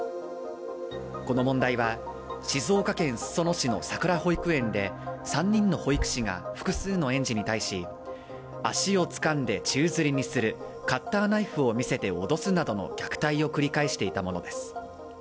この問題は静岡県裾野市のさくら保育園で３人の保育士が複数の園児に対し、足をつかんで宙づりにする、カッターナイフを見せて脅すなどの虐待を繰り返していたものです。